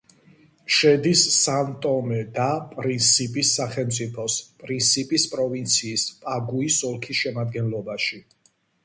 შედის სან-ტომე და პრინსიპის სახელმწიფოს პრინსიპის პროვინციის პაგუის ოლქის შემადგენლობაში.